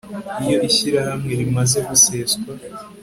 iyo ishyirahamwe rimaze guseswa